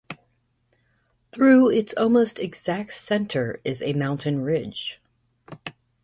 Through its almost exact centre is a mountain ridge.